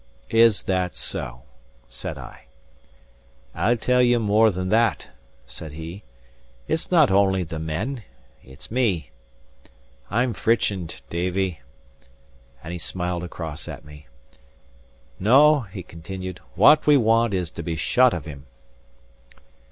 "Is that so?" said I. "I'll tell ye more than that," said he. "It's not only the men; it's me. I'm frich'ened, Davie." And he smiled across at me. "No," he continued, "what we want is to be shut of him."